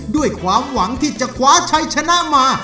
ด้วยความหวังที่จะคว้าชัยชนะมา